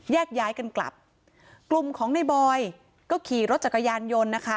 แยกย้ายกันกลับกลุ่มของในบอยก็ขี่รถจักรยานยนต์นะคะ